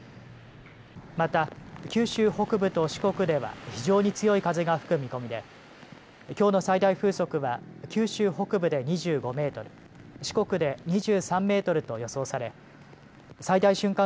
また九州北部と四国では非常に強い風が吹く見込みできょうの最大風速は九州北部で２５メートル、四国で２３メートルと予想され最大瞬間